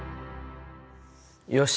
よし！